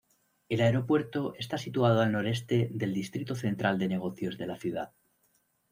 El aeropuerto está situado al noreste del distrito central de negocios de la ciudad.